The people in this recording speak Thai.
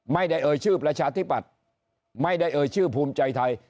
เอ่ยชื่อประชาธิปัตย์ไม่ได้เอ่ยชื่อภูมิใจไทย